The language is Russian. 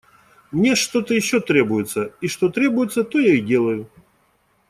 Мне что-то еще требуется, и что требуется, то я и делаю.